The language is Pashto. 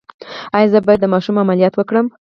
ایا زه باید د ماشوم عملیات وکړم؟